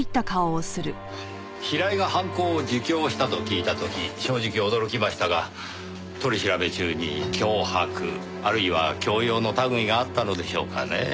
平井が犯行を自供したと聞いた時正直驚きましたが取り調べ中に脅迫あるいは強要の類いがあったのでしょうかねぇ？